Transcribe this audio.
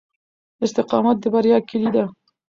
استقامت د بریا کیلي ده.